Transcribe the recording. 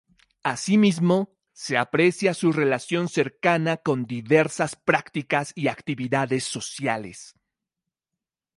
Asimismo, se aprecia su relación cercana con diversas prácticas y actividades sociales.